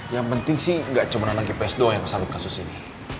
yang penting sih gak cuman anak ips doang yang kesal di kasus ini